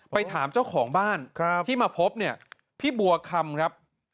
ไปถามเจ้าของบ้านที่มาพบเนี่ยพี่บัวคำครับ